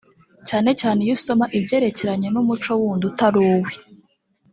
cyane cyane iyo asoma ibyerekeranye n’umuco wundi utari uwe